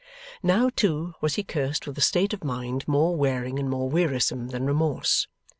Now, too, was he cursed with a state of mind more wearing and more wearisome than remorse.